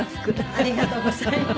ありがとうございます。